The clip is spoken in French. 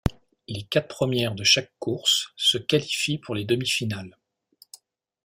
Les quatre premières de chaque course se qualifient pour les demi-finales.